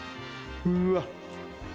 うわっ！